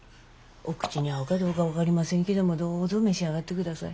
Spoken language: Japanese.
お口に合うかどうか分かりませんけどもどうぞ召し上がってください。